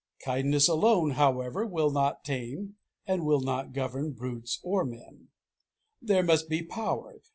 Kindness alone, however, will not tame, and will not govern, brutes or men. There must be power.